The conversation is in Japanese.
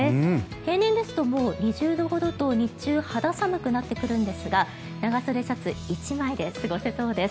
平年ですともう２０度ほどと日中、肌寒くなってくるんですが長袖シャツ１枚で過ごせそうです。